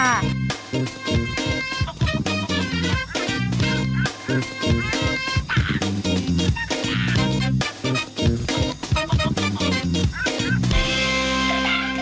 โอเค